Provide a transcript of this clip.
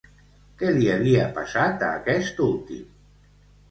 Què li havia passat a aquest últim?